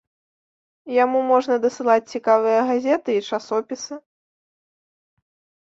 Яму можна дасылаць цікавыя газеты і часопісы.